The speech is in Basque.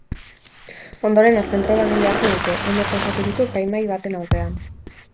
Ondoren, azken proba egin beharko dute, umez osaturiko epaimahai baten aurrean.